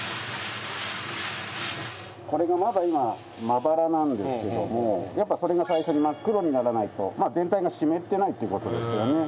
これがまだ今まばらなんですけどもやっぱそれが最初に真っ黒にならないと全体が湿ってないっていう事ですよね。